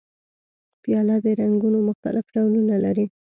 پیاله د رنګونو مختلف ډولونه لري.